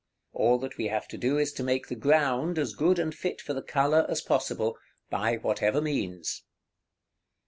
All that we have to do is to make the ground as good and fit for the color as possible, by whatever means.